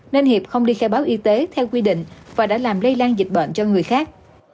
nên hiệp không đi khai báo y tế theo quy định và đã làm lây lan dịch bệnh cho người khác